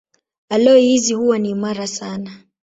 Aloi hizi huwa ni imara sana.